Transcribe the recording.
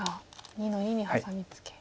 ２の二にハサミツケ。